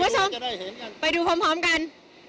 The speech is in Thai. อ้าวไปคุณผู้ชมไปดูพร้อมกัน